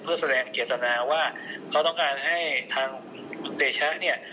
เพื่อแสดงเจตนาว่าเขาต้องการให้ทางคุณเตชะเนี่ย